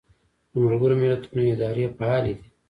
د ملګرو ملتونو ادارې فعالې دي